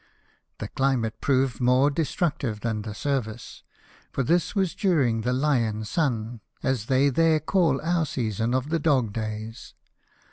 The climate proved more de structive than the service ; for this was during the "lion sun," as they there call our season of the dog days.